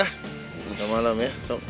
selamat malam ya sup